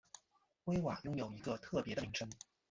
威瓦拥有一个特别的名称。